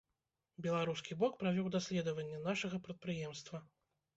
Беларускі бок правёў даследаванне нашага прадпрыемства.